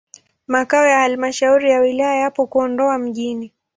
Makao ya halmashauri ya wilaya yapo Kondoa mjini.